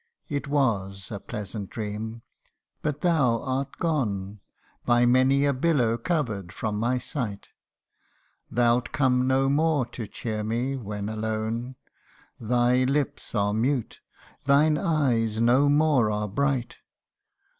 It was a pleasant dream but thou art gone, By many a billow cover'd from my sight : Thou 'It come no more to cheer me when alone Thy lips are mute thine eyes no more are bright.